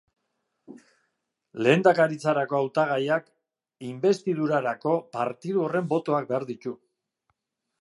Lehendakaritzarako hautagaiak inbestidurarako partidu horren botoak behar ditu.